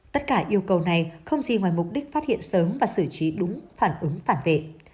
tất cả yêu cầu này không gì ngoài mục đích phát hiện sớm và xử trí đúng phản ứng phản vệ